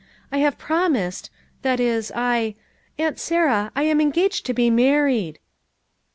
I have promised — that is I — Aunt Sarah, I am engaged to be married."